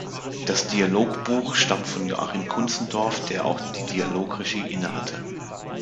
Das Dialogbuch stammt von Joachim Kunzendorf, der auch die Dialogregie innehatte.